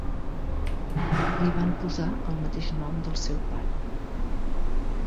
Li van posar el mateix nom del seu pare.